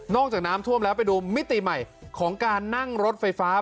จากน้ำท่วมแล้วไปดูมิติใหม่ของการนั่งรถไฟฟ้า